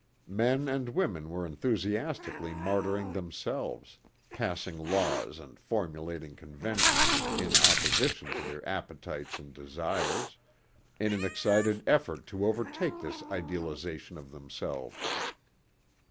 Men and women were enthusiastically martyring themselves passing laws and formulating conventions in opposition to their appetites and desires in an excited effort to overtake this idealization of themselves.